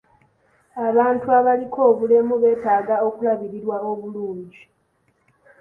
Abantu abaliko obulemu beetaaga okulabirirwa obulungi.